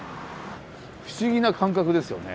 不思議な感覚ですよね。